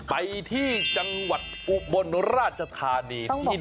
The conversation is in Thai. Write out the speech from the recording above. ไปที่จังหวัดอุบลราชฯภาษณีย์ที่นั่นเนี่ย